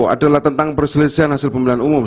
adalah tentang perselisihan hasil pemilihan umum